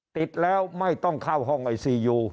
ติดแล้วไม่ต้องเข้าห้องไอซียู